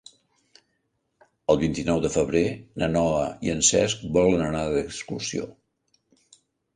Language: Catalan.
El vint-i-nou de febrer na Noa i en Cesc volen anar d'excursió.